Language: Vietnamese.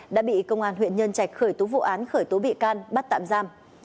đã bị công an huyện nhân trạch khởi tố vụ án khởi tố bị can bắt tạm giam